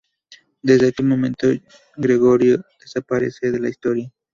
Desde aquel momento Gregorio desaparece de la Historia.